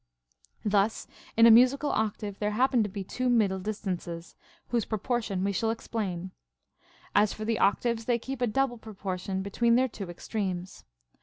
Thus in a musical octave there happen to be two middle distances, Avhose proportion we shall explain. As for the octaves, they keep a double proportion between their two extremes.